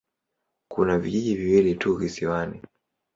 Kuna vijiji viwili tu kisiwani.